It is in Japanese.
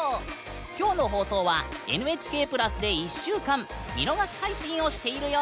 今日の放送は「ＮＨＫプラス」で１週間見逃し配信をしているよ！